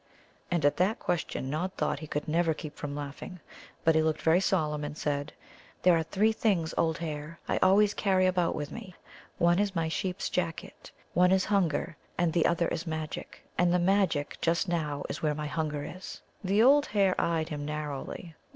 And at that question Nod thought he could never keep from laughing. But he looked very solemn, and said: "There are three things, old hare, I always carry about with me one is my sheep's jacket, one is hunger, and the other is Magic; and the Magic just now is where my hunger is." The old hare eyed him narrowly.